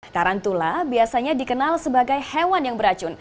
tarantula biasanya dikenal sebagai hewan yang beracun